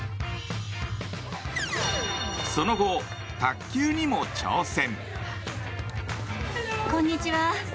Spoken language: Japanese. その後、卓球にも挑戦。